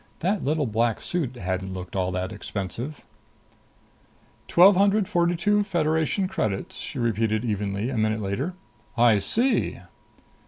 That little black suit hadn't looked at all expensive "Twelve hundred forty two Federation credits?" she repeated evenly a minute later. "I see!"